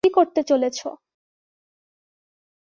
কী করতে চলেছো?